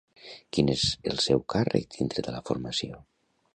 Quin és el seu càrrec dintre de la formació?